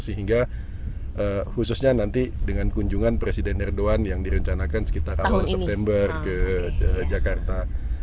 sehingga khususnya nanti dengan kunjungan presiden erdogan yang direncanakan sekitar awal september ke jakarta